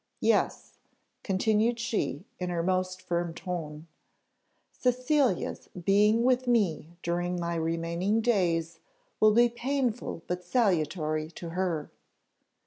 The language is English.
Yes," continued she, in her most firm tone, "Cecilia's being with me during my remaining days will be painful but salutary to her.